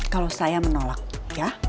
kalau saya menolak ya